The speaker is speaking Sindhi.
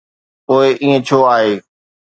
پوءِ ائين ڇو آهي؟